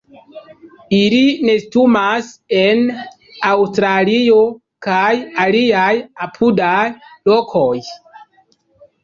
Ili nestumas en Aŭstralio, kaj aliaj apudaj lokoj.